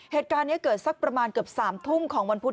เหตุการณ์นี้เกิดสักประมาณเกือบ๓ทุ่มของวันพุธ